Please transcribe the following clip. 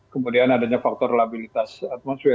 kemudian adanya faktor labilitas atmosfer